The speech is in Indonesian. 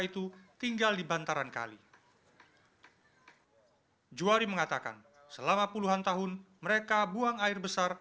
itu tinggal di bantaran kali juwari mengatakan selama puluhan tahun mereka buang air besar